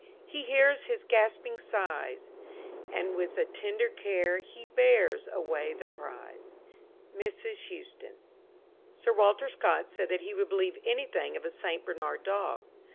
he hears his gasping sighs, And, with a tender care, he bears away the prize." MRS. HOUSTOUN. Sir Walter Scott said that he would believe anything of a St. Bernard dog.